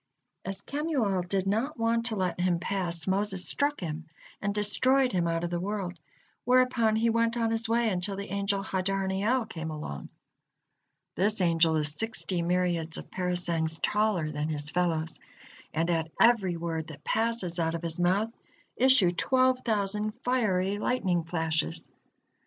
As Kemuel did not want to let him pass, Moses struck him and destroyed him out of the world, whereupon he went on his way until the angel Hadarniel came along. This angel is sixty myriads of parasangs taller than his fellows, and at every word that passes out of his mouth, issue twelve thousand fiery lightning flashes.